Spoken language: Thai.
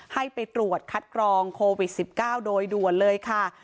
ให้ไปตรวจคัดกรองโควิด๑๙โดยด่วนเลยค่ะ